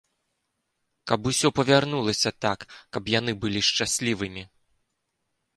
Каб усё павярнулася так, каб яны былі шчаслівымі.